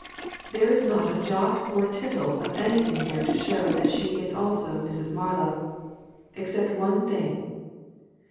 There is not a jot or tittle of anything there to show that she is also Mrs. Marlow except one thing.